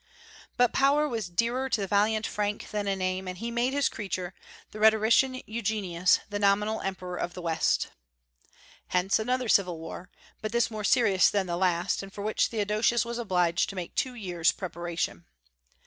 But power was dearer to the valiant Frank than a name; and he made his creature, the rhetorician Eugenius, the nominal emperor of the West. Hence another civil war; but this more serious than the last, and for which Theodosius was obliged to make two years' preparation.